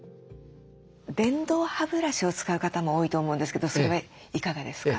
電動歯ブラシを使う方も多いと思うんですけどそれはいかがですか？